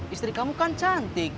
istri kamu kan cantik